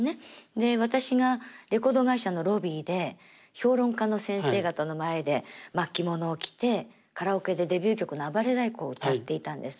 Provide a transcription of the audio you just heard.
で私がレコード会社のロビーで評論家の先生方の前でまあ着物を着てカラオケでデビュー曲の「あばれ太鼓」を歌っていたんです。